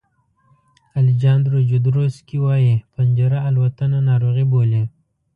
الیجاندرو جودروسکي وایي پنجره الوتنه ناروغي بولي.